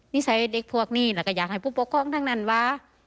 นิสัยเด็กพวกนี้แล้วก็อยากให้ผู้ปกครองทั้งนั้นวะ